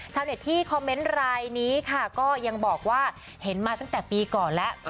ชาวเน็ตที่คอมเมนต์รายนี้ค่ะก็ยังบอกว่าเห็นมาตั้งแต่ปีก่อนแล้ว